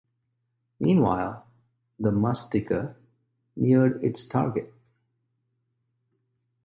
Meanwhile, the "Mustika" neared its target.